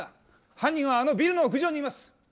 犯人はあのビルの屋上にいます。